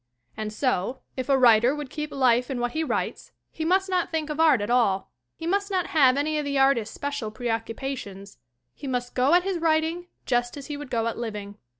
And so, if a writer would keep life in what he writes, he must not think of art at all. He must not have any of the artist's special preoccupations. He must go at his writing just as he would go at living.